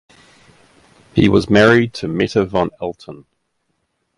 He was married to Metta von Alten.